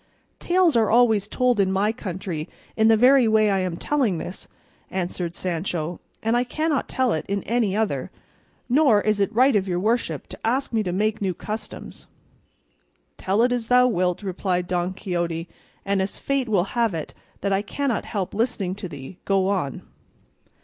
"Tales are always told in my country in the very way I am telling this," answered Sancho, "and I cannot tell it in any other, nor is it right of your worship to ask me to make new customs." "Tell it as thou wilt," replied Don Quixote; "and as fate will have it that I cannot help listening to thee, go on."